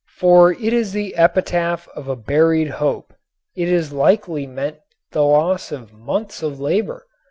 For it is the epitaph of a buried hope. It likely meant the loss of months of labor.